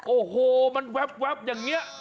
โอ้โหมันแว๊บแว๊บอย่างเงี้ย